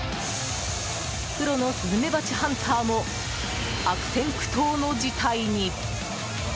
プロのスズメバチハンターも悪戦苦闘の事態に。